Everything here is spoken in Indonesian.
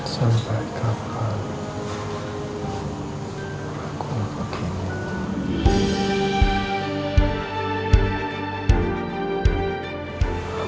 sampai kapan aku akan baik baik saja